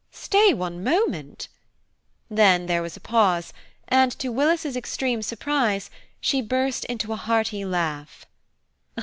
Stay one moment–" Then there was a pause and, to Willis's extreme surprise, she burst into a hearty laugh.